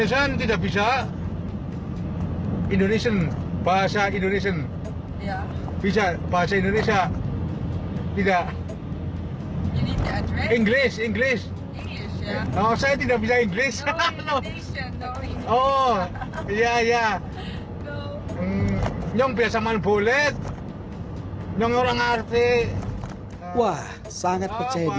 wah sangat percaya diri